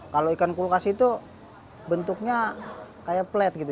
kalau ikan kulkas itu bentuknya kayak plat gitu